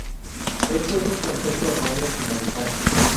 Este es un concepto erróneo fundamental.